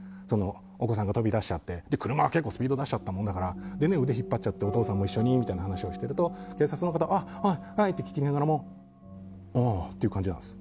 お子さんが飛び出しちゃって車はスピードを出しちゃったもんだから腕引っ張っちゃってお父さんも一緒にみたいな話をしていると警察の方がはい、はいって聞きながらもああっていう聞いた感じなんです。